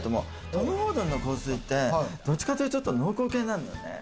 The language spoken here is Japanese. トム・フォードの香水ってどっちかって言うと濃厚系なんだよね。